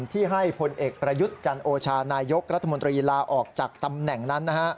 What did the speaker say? ที่ให้พลเอกประยุทธ์จันโอชานายกรัฐมนตรีลาออกจากตำแหน่งนั้น